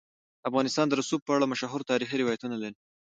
افغانستان د رسوب په اړه مشهور تاریخی روایتونه لري.